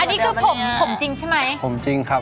อันนี้คือผมผมจริงใช่ไหมผมจริงครับ